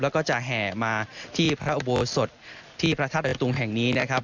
แล้วก็จะแห่มาที่พระอุบัติสดที่พระเลยตรงแห่งนี้นะครับ